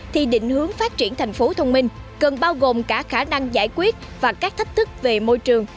thì định hướng phát triển thành phố thông minh cần bao gồm cả khả năng giải quyết và các thách thức về môi trường